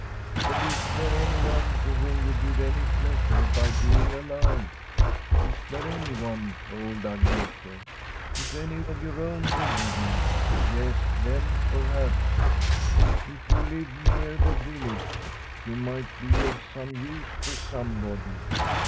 But is there any one to whom you give any pleasure by being alive ? Is there anyone, old Agnete ? If any of your own were living Yes, then, perhaps, if you lived nearer the village, you might be of some use to somebody.